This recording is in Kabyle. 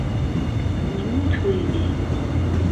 Yemmut weydi.